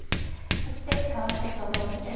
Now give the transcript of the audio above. そして、為替と商品です。